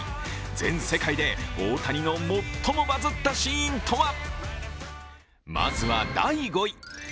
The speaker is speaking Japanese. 全世界で大谷の最もバズったシーンとは。まずは第５位。